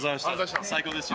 最高ですよ。